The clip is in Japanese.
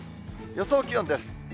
予想気温です。